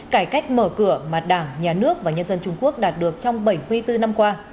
cải cách mở cửa mà đảng nhà nước và nhân dân trung quốc đạt được trong bảy mươi bốn năm qua